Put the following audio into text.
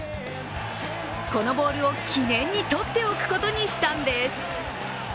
このボールを記念にとっておくことにしたんです。